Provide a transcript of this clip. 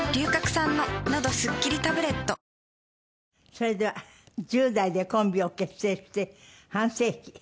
それでは１０代でコンビを結成して半世紀。